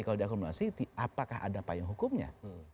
kalau diakumulasi apakah ada apa yang hukumnya